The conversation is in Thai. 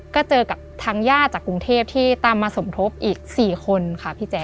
ก็เจอกับทางญาติจากกรุงเทพที่ตามมาสมทบอีก๔คนค่ะพี่แจ๊